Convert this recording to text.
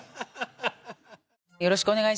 よろしくお願いします。